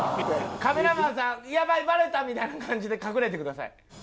カメラマンさん「やばいバレた！」みたいな感じで隠れてください。